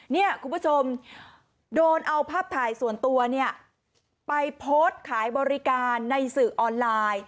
เนี่ยคุณผู้ชมโดนเอาภาพถ่ายส่วนตัวเนี่ยไปโพสต์ขายบริการในสื่อออนไลน์